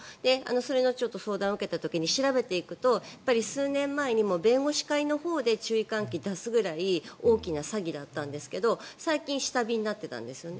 それの相談を受けた時に調べていくと数年前に弁護士会のほうで注意喚起を出すくらい大きな詐欺だったんですが最近、下火になってたんですよね。